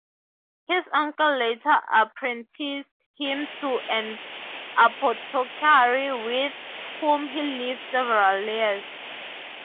His uncle later apprenticed him to an apothecary, with whom he lived several years.